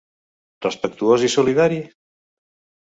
Respectuós i solidari?